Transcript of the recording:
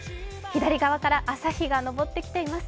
左側から朝日が昇ってきています。